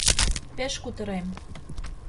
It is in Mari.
Пеш кутырем!